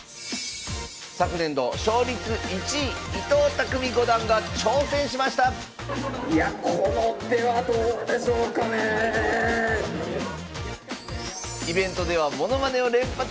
昨年度勝率１位伊藤匠五段が挑戦しましたイベントではものまねを連発する棋士も。